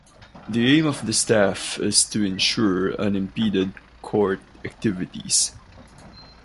The aim of the staff is to ensure unimpeded court activities.